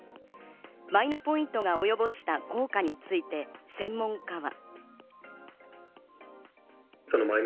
マイナポイントがおよぼした効果について専門家は。